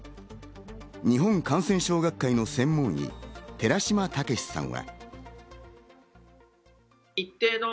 日本感染症学会の専門医・寺嶋毅さんは。